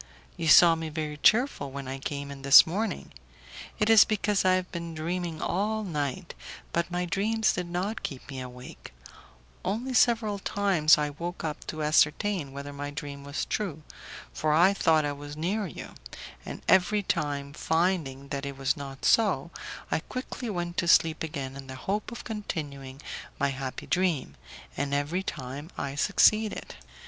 You saw me very cheerful when I came in this morning; it is because I have been dreaming all night, but my dreams did not keep me awake; only several times I woke up to ascertain whether my dream was true, for I thought I was near you; and every time, finding that it was not so, I quickly went to sleep again in the hope of continuing my happy dream, and every time I succeeded.